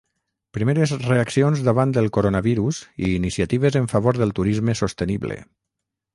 Primeres reaccions davant del coronavirus i iniciatives en favor del turisme sostenible.